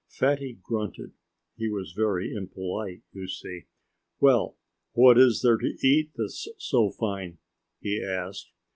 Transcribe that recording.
Fatty grunted. He was very impolite, you see. "Well what is there to eat that's so fine?" he asked.